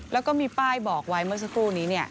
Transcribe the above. แล้วก็มีป้ายบอกไว้เมื่อสักครู่นี้